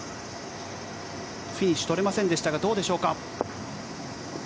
フィニッシュ取れませんでしたがどうでしょうか。